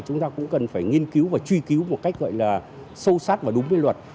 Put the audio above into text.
chúng ta cũng cần phải nghiên cứu và truy cứu một cách gọi là sâu sát và đúng với luật